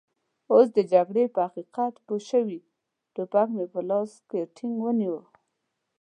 اوس د جګړې په حقیقت پوه شوي، ټوپک مې په لاس کې ټینګ ونیو.